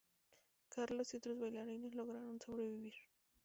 Carlos y otros bailarines lograron sobrevivir.